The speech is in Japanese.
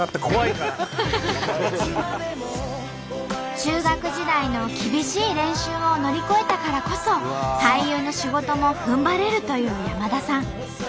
中学時代の厳しい練習を乗り越えたからこそ俳優の仕事もふんばれるという山田さん。